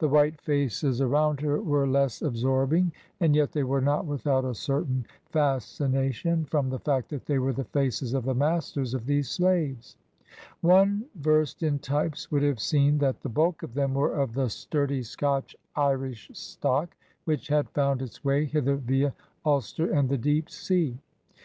The white faces around her were less absorbing, and yet they were not without a certain fascination from the fact that they were the faces of the masters of these slaves. One versed in types would have seen that the bulk of them were of the sturdy Scotch Irish stock ; which had found its way hither via Ulster and the deep sea; 40 ORDER NO.